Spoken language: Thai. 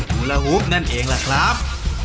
กูล่าหู้ปนั่นเองหละครับ